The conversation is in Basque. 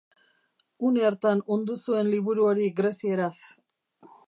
Urte hartan ondu zuen liburu hori grezieraz.